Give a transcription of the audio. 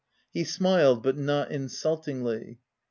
He smiled, but not insultingly.